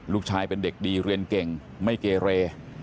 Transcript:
ลูกชายเป็นเด็กดีเรียนเก่งไม่เกเร